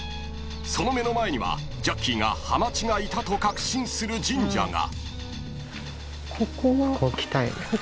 ［その目の前にはジャッキーがはまちがいたと確信する神社が］